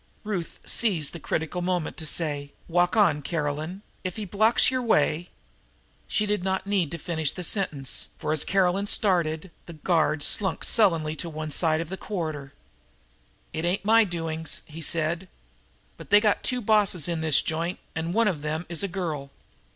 Ruth seized the critical moment to say: "Walk on, Caroline. If he blocks your way " She did not need to finish the sentence, for, as Caroline started on, the guard slunk sullenly to one side of the corridor. "It ain't my doings," he said. "But they got two bosses in this joint, and one of them is a girl.